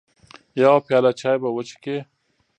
يوه پياله چاى به وچکې .